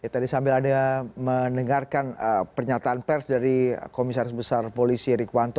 tadi sambil anda mendengarkan pernyataan pers dari komisaris besar polisi rikuwanto